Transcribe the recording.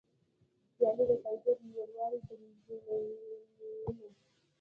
سیالي د کیفیت لوړوالی تضمینوي.